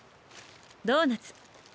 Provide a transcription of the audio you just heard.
ドーナツ。